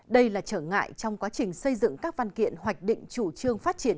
đây là trở ngại trong quá trình xây dựng các văn kiện hoạch định chủ trương phát triển